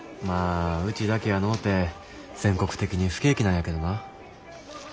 まあうちだけやのうて全国的に不景気なんやけどな。